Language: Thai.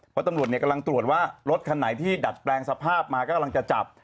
เพราะตำรวจกำลังตรวจว่ารถคันไหนที่ดัดแปลงสภาพมาก็กำลังจะจับ